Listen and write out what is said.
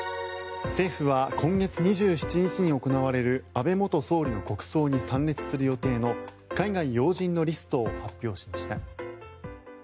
政府は今月２７日に行われる安倍元総理の国葬に参列する予定の海外要人のリストを発表しました。